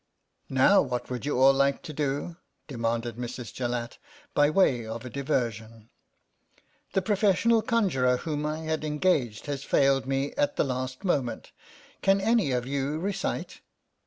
*' Now what would you all like to do ?" 90 THE STRATEGIST demanded Mrs. Jallatt by way of a diversion. "The professional conjurer whom I had engaged has failed me at the last moment. Can any of you recite